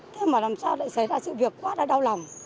thế mà làm sao lại xảy ra sự việc quá là đau lòng